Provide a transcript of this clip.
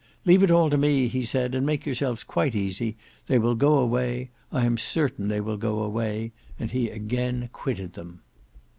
"Leave all to me," he said; "and make yourselves quite easy; they will go away, I am certain they will go away," and he again quitted them.